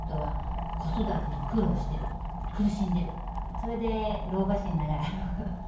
それで老婆心ながら。